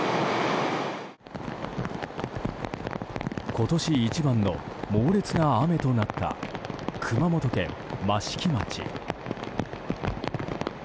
今年一番の猛烈な雨となった熊本県益城町。